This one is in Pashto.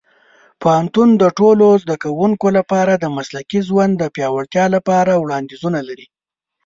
پوهنتون د ټولو زده کوونکو لپاره د مسلکي ژوند د پیاوړتیا لپاره وړاندیزونه لري.